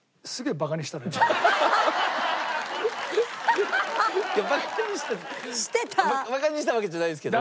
バカにしたわけじゃないんですけど。